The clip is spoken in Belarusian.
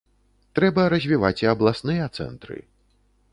Трэба развіваць і абласныя цэнтры.